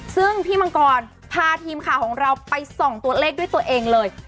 ซึ่งพี่มังกรพาทีมข่าวของเราไปส่องตัวเลขด้วยตัวเองเลย